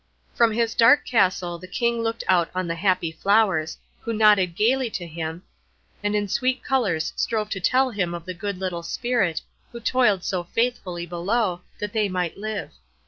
From his dark castle the King looked out on the happy flowers, who nodded gayly to him, and in sweet colors strove to tell him of the good little Spirit, who toiled so faithfully below, that they might live.